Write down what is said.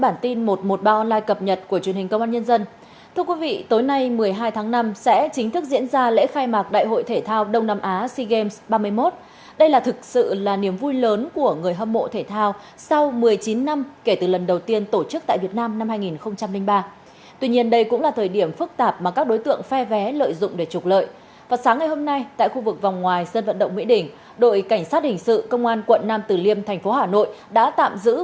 ngoài sân vận động mỹ đỉnh đội cảnh sát hình sự công an quận nam tử liêm thành phố hà nội đã tạm giữ một mươi đối tượng có hành vi mua đi bán lại vé mời dự khai mạc sea games ba mươi một